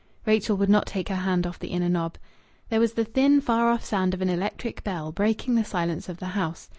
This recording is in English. Rachel would not take her hand off the inner knob. There was the thin, far off sound of an electric bell, breaking the silence of the house.